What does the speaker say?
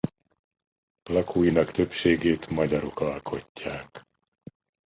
Lakóinak többségét magyarok alkotják.